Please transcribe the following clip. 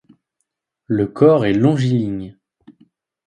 Le corps est longiligne.